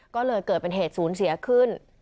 ก็เลยเกิดเป็นเหตุศูนย์เสียขึ้น